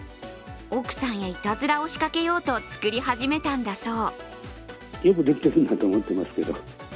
奥さんへいたずらを仕掛けようと作り始めたんだそう。